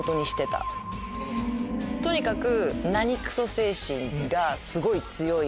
とにかく。